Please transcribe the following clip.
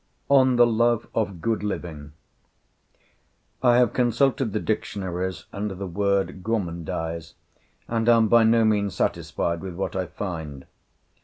ON THE LOVE OF GOOD LIVING I have consulted the dictionaries under the word gourmandise, and am by no means satisfied with what I find.